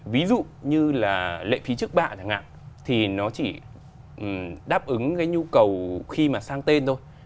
ví dụ như là lệ phí trước bạ chẳng hạn thì nó chỉ đáp ứng cái nhu cầu khi mà sang tên thôi